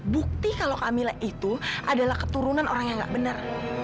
bukti kalau kamila itu adalah keturunan orang yang nggak benar